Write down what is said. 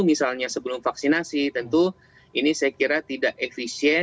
misalnya sebelum vaksinasi tentu ini saya kira tidak efisien